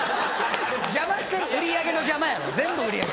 邪魔してる売り上げの邪魔やろ全部売り上げ。